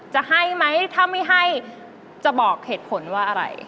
จะให้ไหมถ้าไม่ให้จะบอกเหตุผลว่าอะไร